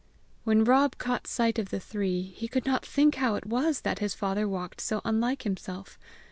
When Rob caught sight of the three, he could not think how it was that his father walked so unlike himself.